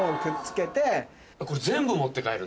これ全部持って帰る？